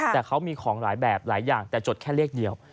แต่เขามีของหลายแบบหลายอย่างแต่จดแค่เลขเดียว